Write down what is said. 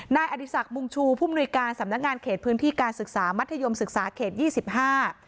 นายอดีศักดิ์บุญชูผู้มนุยการสำนักงานเขตพื้นที่การศึกษามัธยมศึกษาเขตยี่สิบห้า